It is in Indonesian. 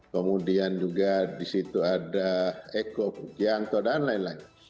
kemudian juga di situ ada eko pujanto dan lain lain